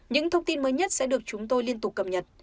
những thông tin mới nhất sẽ được chúng tôi liên tục cập nhật